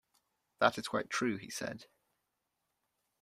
"That is quite true," he said.